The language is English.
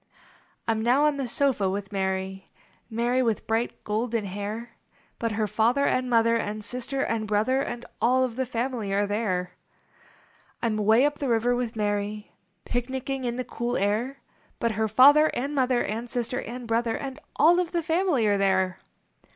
I m now on the sofa with Mary, Mary with bright, golden hair ; But her father and mother And sister and brother And all of the family are there. I m way up the river with Mary, Picnicking in the cool air ; But her father and mother And sister and brother And all of the family are there.